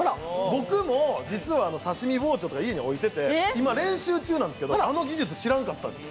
僕も刺身包丁とか家に置いてて練習中なんですけど、あれは知らんかったです。